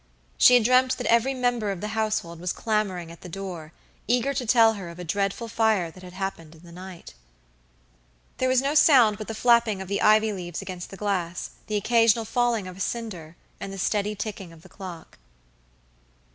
She had dreamt that every member of the household was clamoring at the door, eager to tell her of a dreadful fire that had happened in the night. There was no sound but the flapping of the ivy leaves against the glass, the occasional falling of a cinder, and the steady ticking of the clock.